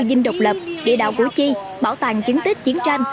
dinh độc lập địa đạo củ chi bảo tàng chứng tích chiến tranh